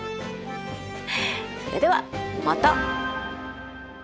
それではまた。